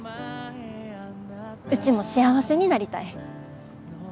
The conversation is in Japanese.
うちも幸せになりたい。